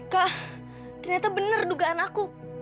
kah ternyata benar dugaan aku